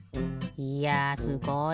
いやすごい！